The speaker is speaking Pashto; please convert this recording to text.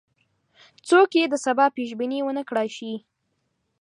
څوک یې د سبا پیش بیني ونه کړای شي.